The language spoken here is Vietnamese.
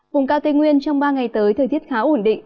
vùng cao tây nguyên trong ba ngày tới thời tiết khá ổn định